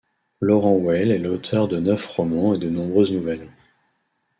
Laurent Whale est l’auteur de neuf romans et de nombreuses nouvelles.